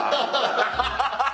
ハハハハ。